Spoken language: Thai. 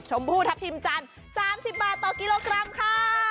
ชมพูทัพพิมจัน๓๐บาทต่อกิโลกรัมค่ะ